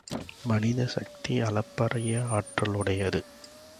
மனித சக்தி அளப்பரிய ஆற்றல் உடையது.